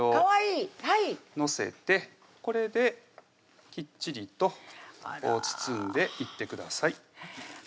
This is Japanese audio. はい載せてこれできっちりと包んでいってください